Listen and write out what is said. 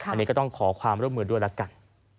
อันนี้ก็ต้องขอความร่วมมือด้วยแล้วกัน